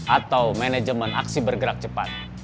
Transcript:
atau manajemen aksi bergerak cepat